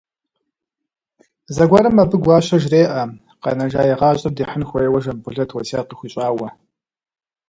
Зэгуэрым абы Гуащэ жреӏэ, къэнэжа и гъащӏэр дихьын хуейуэ Жамбулэт уэсят къыхуищӏауэ.